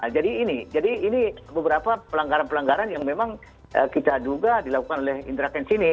jadi ini beberapa pelanggaran pelanggaran yang memang kita duga dilakukan oleh indra cash ini